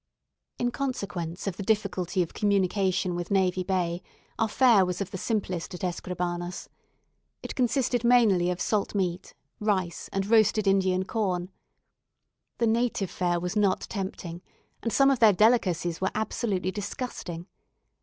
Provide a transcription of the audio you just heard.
In consequence of the difficulty of communication with Navy Bay, our fare was of the simplest at Escribanos. It consisted mainly of salt meat, rice, and roasted Indian corn. The native fare was not tempting, and some of their delicacies were absolutely disgusting.